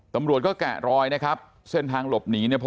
ตำรวจก็แกะรอยนะครับเส้นทางหลบหนีเนี่ย